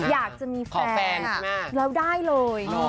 อยากจะมีแฟนแล้วได้เลย